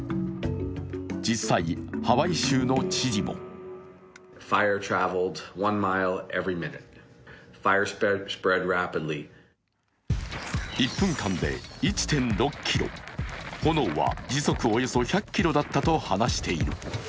実際、ハワイ州の知事も１分間で１．６ｋｍ、炎は時速およそ１００キロだったと話す。